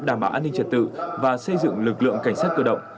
đảm bảo an ninh trật tự và xây dựng lực lượng cảnh sát cơ động